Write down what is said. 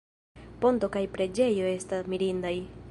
Ponto kaj preĝejo esta mirindaj.